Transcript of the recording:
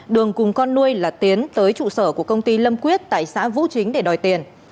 đường cùng con nuôi là tiến tới trụ sở của công ty lâm quyết tại xã vũ chính để đòi tiền